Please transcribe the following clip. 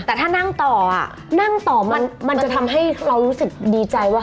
แต่ถ้านั่งต่อนั่งต่อมันจะทำให้เรารู้สึกดีใจว่า